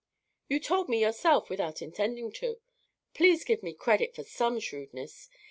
"_ "You told me yourself without intending to. Please give me credit for some shrewdness.